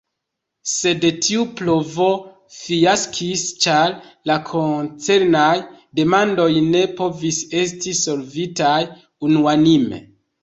Sed tiu provo fiaskis ĉar la koncernaj demandoj ne povis esti solvitaj unuanime.